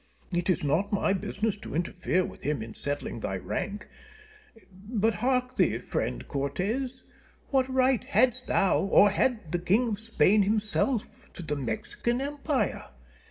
It is not my business to interfere with him in settling thy rank. But hark thee, friend Cortez. What right hadst thou, or had the King of Spain himself, to the Mexican Empire?